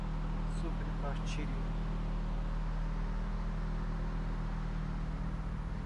sobrepartilha